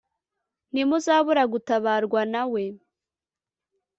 Ntimuzabura gutabarwa nawe